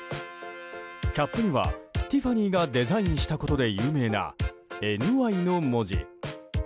キャップにはティファニーがデザインしたことで有名な「ＮＹ」の文字。